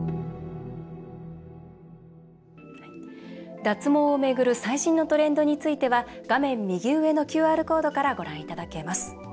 脱毛を巡る最新のトレンドについては画面右上のＱＲコードからご覧いただけます。